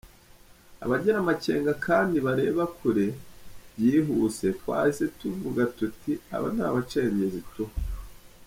Abagira amakenga kandi bareba kure byihuse twahise tuvuga tuti aba ni abacengezi tu.